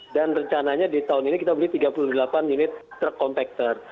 dan rencananya di tahun ini kita beli tiga puluh delapan unit truk kompakter